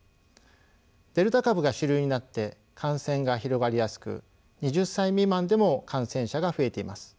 デルタ株が主流になって感染が広がりやすく２０歳未満でも感染者が増えています。